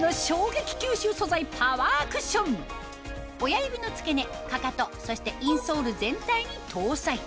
それが親指の付け根かかとそしてインソール全体に搭載